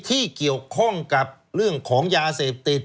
ที่เกี่ยวข้องกับเรื่องของยาเสพติด